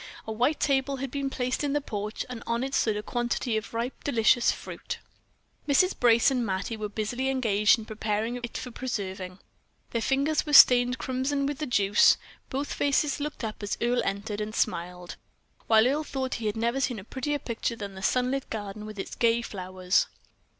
A white table had been placed in the porch, and on it stood a quantity of ripe, delicious fruit. Mrs. Brace and Mattie were busily engaged in preparing it for preserving; their fingers were stained crimson with the juice. Both faces looked up as Earle entered, and smiled, while Earle thought he had never seen a prettier picture than the sunlit garden with its gay flowers.